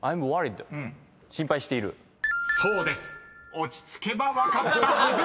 落ち着けば分かったはず！］